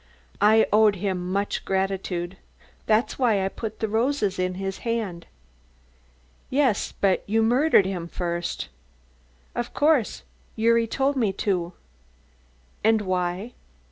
"I owed him much gratitude; that's why I put the roses in his hand." "Yes, but you murdered him first." "Of course, Gyuri told me to." "And why?"